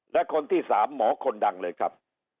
และคนที่๓หมอคนดังเลยครับ